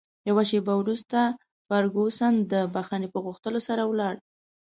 یوه شیبه وروسته فرګوسن د بښنې په غوښتلو سره ولاړه.